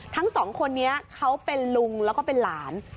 ทั้งสองคนนี้เขาเป็นลุงแล้วก็เป็นหลาน